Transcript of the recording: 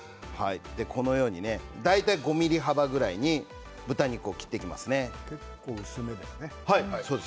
大体５ｍｍ幅ぐらいに豚肉を切っていきます。